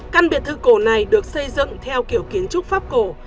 căn biệt thự cổ này được xây dựng theo kiểu kiến trúc pháp cổ